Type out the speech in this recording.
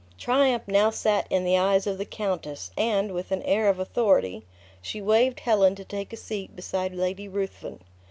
Triumph now sat in the eyes of the countess; and, with an air of authority, she waved Helen to take a seat beside Lady Ruthven.